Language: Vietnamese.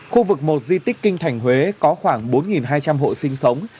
khu vực một di tích kinh thành huế có khoảng bốn hai trăm linh hộ sinh sống